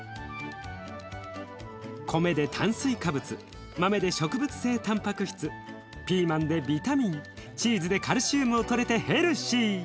米で炭水化物豆で植物性たんぱく質ピーマンでビタミンチーズでカルシウムをとれてヘルシー。